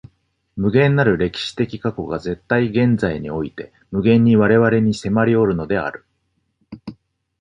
無限なる歴史的過去が絶対現在において無限に我々に迫りおるのである。